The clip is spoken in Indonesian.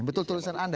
betul tulisan anda